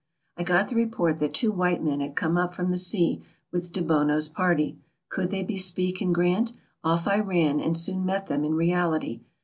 ] I got the report that two white men had come up from the sea with Debono's party. Could they be Speke and Grant ? Off I ran, and soon met them in reality.